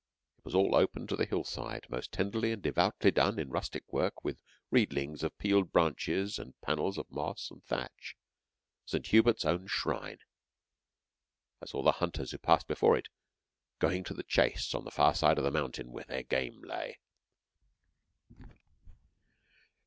It was all open to the hillside, most tenderly and devoutly done in rustic work with reedings of peeled branches and panels of moss and thatch St. Hubert's own shrine. I saw the hunters who passed before it, going to the chase on the far side of the mountain where their game lay.